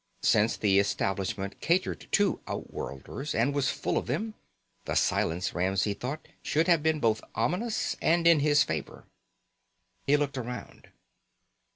Since the establishment catered to outworlders and was full of them, the silence, Ramsey thought, should have been both ominous and in his favor. He looked around.